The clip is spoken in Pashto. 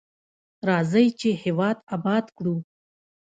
راځئ چې هیواد اباد کړو.